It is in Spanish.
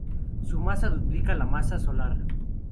Su masa duplica la masa solar.